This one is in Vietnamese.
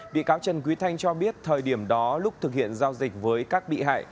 bị cáo trần quý thanh cho biết thời điểm đó lúc thực hiện giao dịch với các bị hại